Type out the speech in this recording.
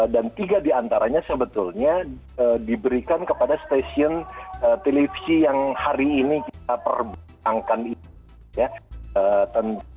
dan tiga diantaranya sebetulnya diberikan kepada stasiun televisi yang hari ini kita perbukakan